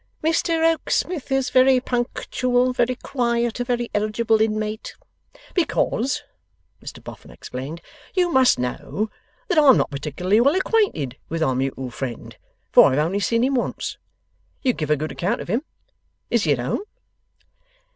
'Mr Rokesmith is very punctual, very quiet, a very eligible inmate.' 'Because,' Mr Boffin explained, 'you must know that I'm not particularly well acquainted with Our Mutual Friend, for I have only seen him once. You give a good account of him. Is he at home?